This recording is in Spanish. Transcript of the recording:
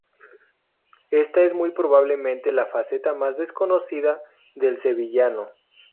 Ésta es muy probablemente la faceta más desconocida del sevillano.